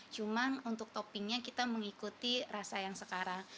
cuman untuk toppingnya kita mengikuti rasa yang sekarang